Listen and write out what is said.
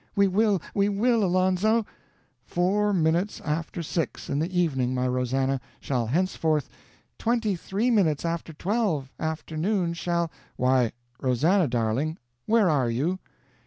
"We will, we will, Alonzo!" "Four minutes after six, in the evening, my Rosannah, shall henceforth " "Twenty three minutes after twelve, afternoon shall " "Why; Rosannah, darling, where are you?"